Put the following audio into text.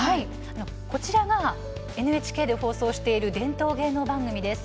こちらが、ＮＨＫが放送している伝統芸能番組です。